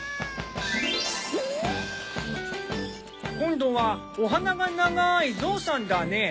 今度はお鼻が長いゾウさんだね。